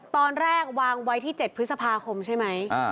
ตอนแรกวางไว้ที่๗พฤษภาคมใช่ไหม